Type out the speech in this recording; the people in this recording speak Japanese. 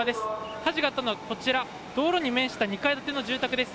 火事があったのは、こちら道路に面した２階建ての住宅です。